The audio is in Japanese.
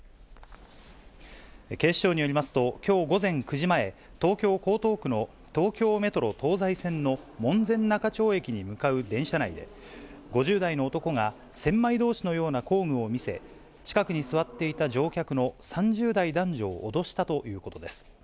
警視庁によりますと、きょう午前９時前、東京・江東区の東京メトロ東西線の門前仲町駅に向かう電車内で、５０代の男が千枚通しのような工具を見せ、近くに座っていた乗客の３０代男女を脅したということです。